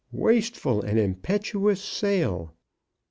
WASTEFUL AND IMPETUOUS SALE.